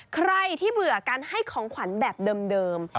ใครที่เบื่อการให้ของขวัญแบบเดิม